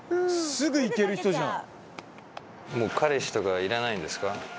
すぐいける人じゃん。